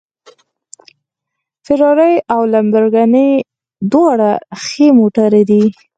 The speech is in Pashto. فېراري او لمبورګیني دواړه ښې موټرې دي